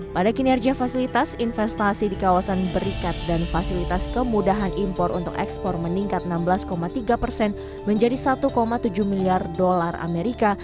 pada kinerja fasilitas investasi di kawasan berikat dan fasilitas kemudahan impor untuk ekspor meningkat enam belas tiga persen menjadi satu tujuh miliar dolar amerika